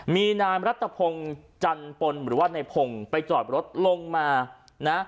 มีนายรัฐพงศ์จันปนหรือว่าในพงศ์ไปจอดรถลงมานะ